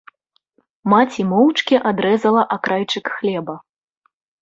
Маці моўчкі адрэзала акрайчык хлеба.